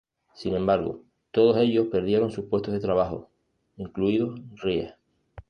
Sin embargo, todos ellos perdieron sus puestos de trabajo, incluido Ries.